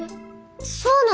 そうなの？